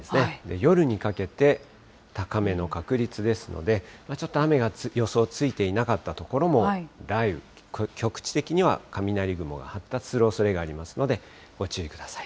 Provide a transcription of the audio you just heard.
夜にかけて、高めの確率ですので、ちょっと雨が予想ついていなかった所も、雷雨、局地的には雷雲が発達するおそれがありますので、ご注意ください。